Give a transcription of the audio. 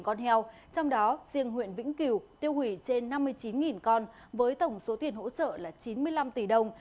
con heo trong đó riêng huyện vĩnh cửu tiêu hủy trên năm mươi chín con với tổng số tiền hỗ trợ là chín mươi năm tỷ đồng